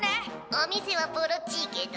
「お店はボロっちいけど」。